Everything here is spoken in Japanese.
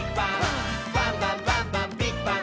「バンバンバンバンビッグバン！」